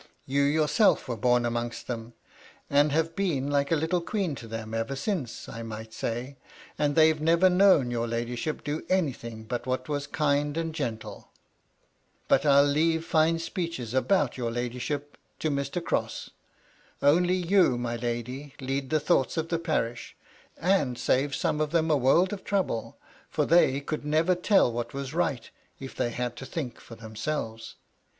You yourself were born amongst them, and have been like a little queen to them ever since, I might say, and they've never known your ladyship do anything but what was kind and gentle ; r 256 KT LADT LUDLOW. but 1*11 leave fine speeches about your ladyship to Mr. Crosse. Only you, my lady, lead the thoug hts of the parish ; and save some of them a world of trouble, fin* they could never tell what was right if they had to think for themselves.